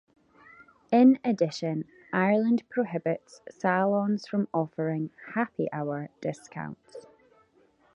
In addition, Ireland prohibits salons from offering "happy hour" discounts.